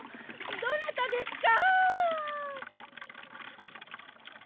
どなたですか？